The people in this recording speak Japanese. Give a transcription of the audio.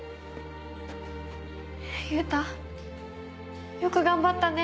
優太よく頑張ったね。